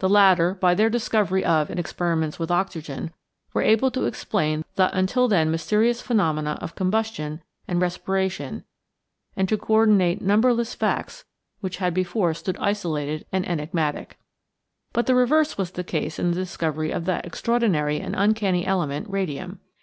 The latter, by their discovery of and experiments with oxygen, were able to explain the until then mysterious phenomena of combustion and respiration and to coördinate numberless facts which had before stood isolated and enigmatic. But the reverse was the case in the discovery of that extraordinary and uncanny element, radium.